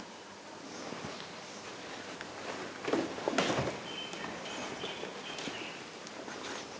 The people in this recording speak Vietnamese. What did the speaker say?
nam tông chỉ có thờ